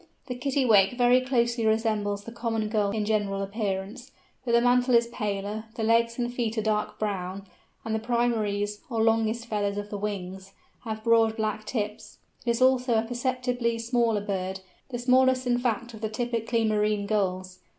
The Kittiwake very closely resembles the Common Gull in general appearance, but the mantle is paler, the legs and feet are dark brown, and the primaries, or longest feathers of the wings, have broad black tips: it is also a perceptibly smaller bird, the smallest in fact of the typically marine Gulls.